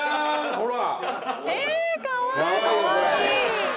ほら。